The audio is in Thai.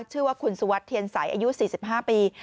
ชื่อว่าคุณสุวัสดิเทียนใสอายุ๔๕ปี